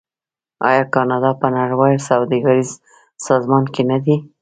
آیا کاناډا په نړیوال سوداګریز سازمان کې نه دی؟